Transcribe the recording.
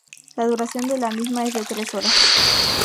La duración de la misma es de tres horas.